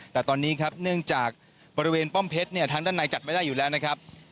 แต่ตอนนี้ครับเนื่องจากบริเวณป้อมเพชรเนี่ยทางด้านในจัดไม่ได้อยู่แล้วนะครับ